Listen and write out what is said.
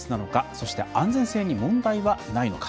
そして安全性に問題はないのか。